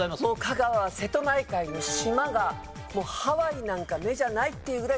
香川は瀬戸内海の島がもうハワイなんか目じゃないっていうぐらい楽しいって。